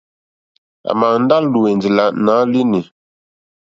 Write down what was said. À mà ndá lùwɛ̀ndì nǎ línì.